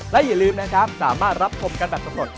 และอย่าลืมนะครับสามารถรับชมกันแบบสำรวจ